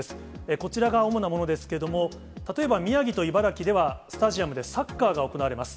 こちらが主なものですけども、例えば宮城と茨城では、スタジアムでサッカーが行われます。